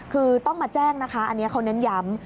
คือต้องมาแจ้งนะคะอันนี้เขาเน้นย้ำ